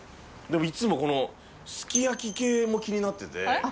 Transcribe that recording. でもいつもこのすき焼き系も気になってて。